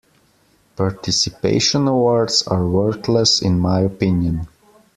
Participation awards are worthless in my opinion.